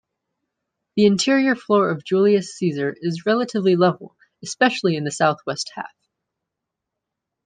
The interior floor of Julius Caesar is relatively level, especially in the southwest half.